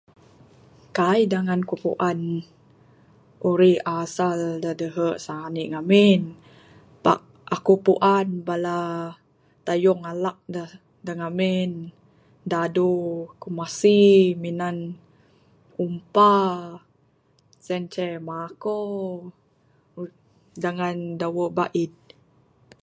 Kaik dangan ku puan uri asal da dehe sani ne ngamin pak aku puan bala tayung da ngamin dadu kumasi minan umpa sien ce mako dangan dawe baid.